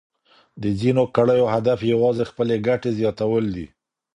د ځینو کړیو هدف یوازې خپلې ګټې زیاتول دي.